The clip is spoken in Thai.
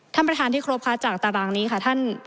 ท่านประธานที่ครบค่ะจากตารางนี้ค่ะท่าน